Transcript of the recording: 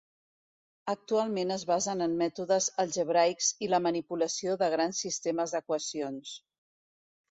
Actualment es basen en mètodes algebraics i la manipulació de grans sistemes d'equacions.